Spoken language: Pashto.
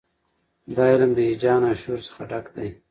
دا علم د هیجان او شور څخه ډک دی.